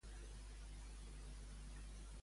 De quina perifèria formava part abans?